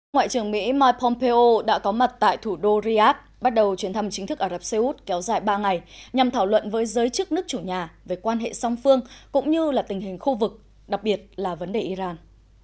ngoại trưởng mỹ mike pompeo đã có mặt tại thủ đô riyadh bắt đầu chuyến thăm chính thức ả rập xê út kéo dài ba ngày nhằm thảo luận với giới chức nước chủ nhà về quan hệ song phương cũng như là tình hình khu vực đặc biệt là vấn đề iran